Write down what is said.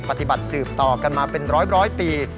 ปฏิบัติสืบต่อกันมาเป็นร้อยปี